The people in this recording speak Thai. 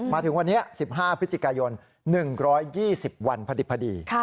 มาถึงวันนี้๑๕พฤศจิกายน๑๒๐วันพอดี